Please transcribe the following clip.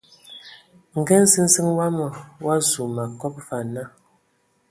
Nga nziziŋ wama o azu ma kɔb va ana.